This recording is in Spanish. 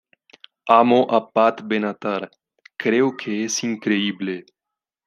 Amo a Pat Benatar, creo que es increíble.